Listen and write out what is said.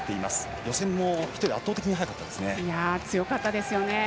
予選も１人強かったですよね。